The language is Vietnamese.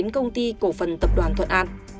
cổ phần tập đoàn thuận an